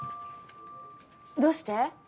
どうして？